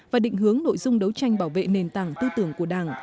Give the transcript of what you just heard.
và định hướng nội dung đấu tranh bảo vệ nền tảng tư tưởng của đảng